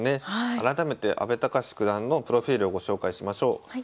改めて阿部隆九段のプロフィールをご紹介しましょう。